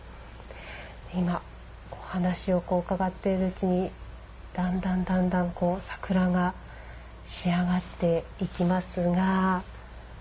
今お話を伺っているうちにだんだん、だんだん桜が仕上がっていきますが。